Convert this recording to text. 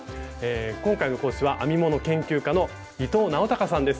今回の講師は編み物研究家の伊藤直孝さんです。